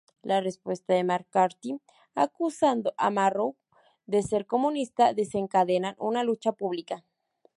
La respuesta de McCarthy acusando a Murrow de ser comunista desencadenan una lucha pública.